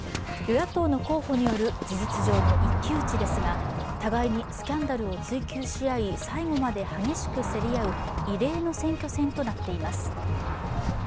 与野党の候補による事実上の一騎打ちですが互いにスキャンダルを追及し合い、最後まで激しく競り合う異例の選挙戦となっています。